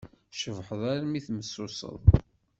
Tcebḥeḍ armi tmessuseḍ!